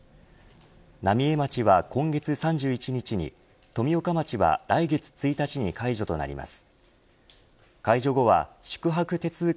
浪江町は今月３１日に富岡町は来月１日に解除となります。